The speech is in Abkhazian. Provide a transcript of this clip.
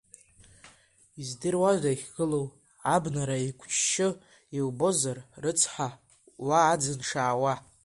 Издыруада, иахьгылоу абнара еиқәшьшьы, Иубозар, рыцҳа, уа аӡын шаауа?